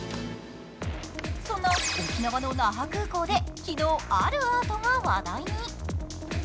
そんな沖縄の那覇空港で昨日あるアートが話題に。